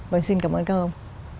vâng xin cảm ơn các ông